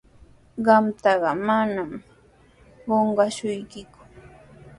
Qamtaqa manami qunqashaykiku.